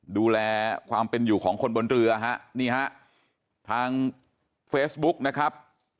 ดูแลความเป็นอยู่ของคนบนเรือฮะนี่ฮะทางเฟซบุ๊กนะครับ